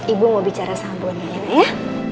ibu mau bicara sama buahnya ya